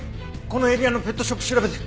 このエリアのペットショップ調べて。